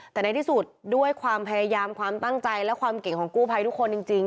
แต่ในที่สุดด้วยความพยายามความตั้งใจและความเก่งของกู้ภัยทุกคนจริง